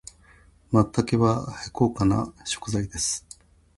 松茸は高価な食材です。